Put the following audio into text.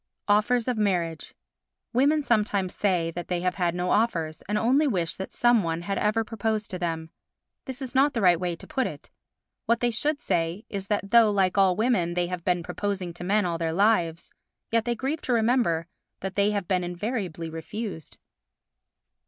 Offers of Marriage Women sometimes say that they have had no offers, and only wish that some one had ever proposed to them. This is not the right way to put it. What they should say is that though, like all women, they have been proposing to men all their lives, yet they grieve to remember that they have been invariably refused.